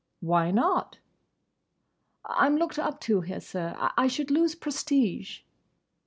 "Why not?" "I'm looked up to here, sir. I should lose prestige."